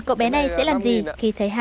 đừng nói gì với người ta nhá